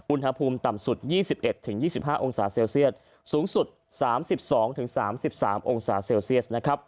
อุณหภูมิต่ำสุด๒๑๒๕องศาเซลเซียตสูงสุด๓๒๓๓องศาเซลเซียสนะครับ